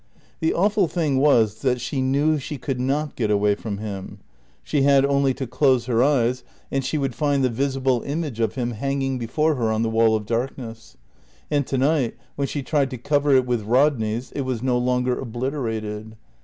The awful thing was that she knew she could not get away from him. She had only to close her eyes and she would find the visible image of him hanging before her on the wall of darkness. And to night, when she tried to cover it with Rodney's it was no longer obliterated.